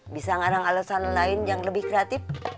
bisa ngarang alasan lain yang lebih kreatif